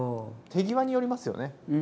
手際によりますよね。